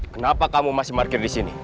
kenapa kamu masih parkir disini